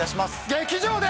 劇場で。